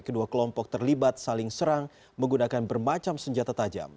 kedua kelompok terlibat saling serang menggunakan bermacam senjata tajam